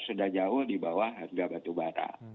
sudah jauh di bawah harga batu bara